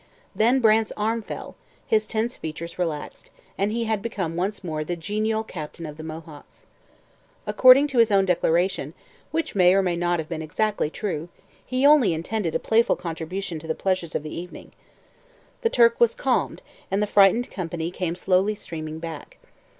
Then Brant's arm fell; his tense features relaxed, and he had become once more the genial 'Captain of the Mohawks.' According to his own declaration, which may or may not have been exactly true, he only intended a playful contribution to the pleasures of the evening. The Turk was calmed, and the frightened company came slowly streaming back.